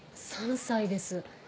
３歳です。